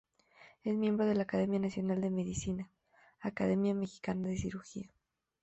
Es miembro de la Academia Nacional de Medicina., Academia Mexicana de Cirugía.